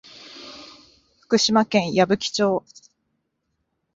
福島県矢吹町